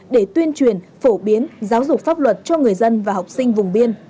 để tuyên truyền phổ biến giáo dục pháp luật cho người dân và học sinh vùng biên